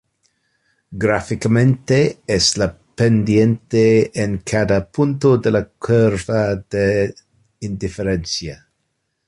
Gráficamente es la pendiente en cada punto de la curva de indiferencia.